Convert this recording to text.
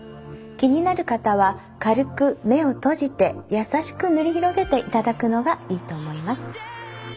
気になる方は軽く目を閉じて優しく塗り広げていただくのがいいと思います。